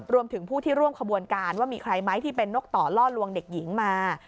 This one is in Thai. รวมถึงผู้ที่ร่วมขบวนการว่ามีใครไหมที่เป็นนกต่อล่อลวงเด็กหญิงมา